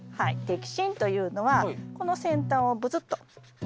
摘心というのはこの先端をブツッと切る。